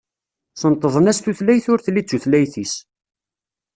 Sentḍen-as tutlayt ur telli d tutlayt-is.